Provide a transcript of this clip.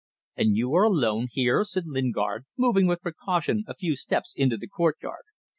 "And you are alone here?" said Lingard, moving with precaution a few steps into the courtyard.